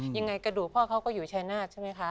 ยังไงกระดูกพ่อเขาก็อยู่ชายนาฏใช่ไหมคะ